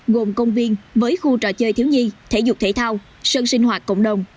gồm công viên với khu trò chơi thiếu nhi thể dục thể thao sân sinh hoạt cộng đồng